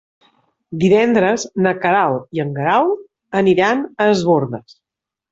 Divendres na Queralt i en Guerau aniran a Es Bòrdes.